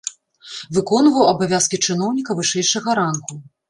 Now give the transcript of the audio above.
Выконваў абавязкі чыноўніка вышэйшага рангу.